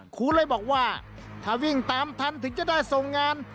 ครูเลยบอกว่าถ้าวิ่งตามทันถึงจะได้ส่งงาน